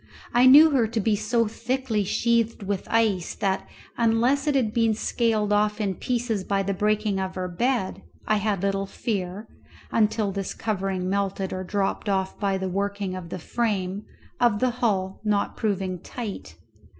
I knew her to be so thickly sheathed with ice that, unless it had been scaled off in places by the breaking of her bed, I had little fear (until this covering melted or dropped off by the working of the frame) of the hull not proving tight.